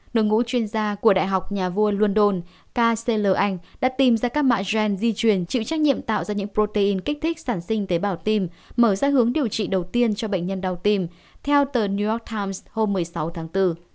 đội ngũ chuyên gia của đại học nhà vua london kcl anh đã tìm ra các mạng gen di truyền chịu trách nhiệm tạo ra những protein kích thích sản sinh tế bào tim mở ra hướng điều trị đầu tiên cho bệnh nhân đau tim theo tờ new york times hôm một mươi sáu tháng bốn